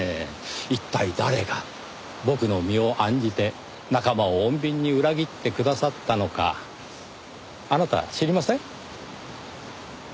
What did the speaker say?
一体誰が僕の身を案じて仲間を穏便に裏切ってくださったのかあなた知りません？